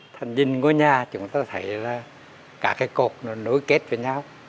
thần nhìn ngôi nhà chúng ta thấy là cả cái cột nó nối kết với nhau